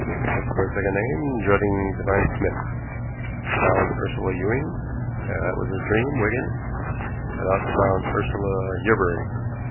I looked for a second name, dreading to find Smith. I found Ursula Ewing, that was his dream, Wigan; but I also found Ursula Yerbury.